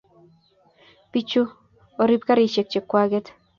Pichu Orib karishek che kwaket